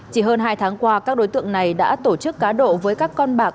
chỉ hơn hai tháng qua các đối tượng này đã tổ chức cá độ với các con bạc